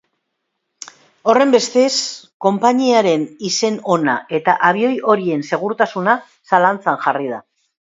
Horrenbestez, konpainiaren izen ona eta abioi horien segurtasuna zalantzan jarri da.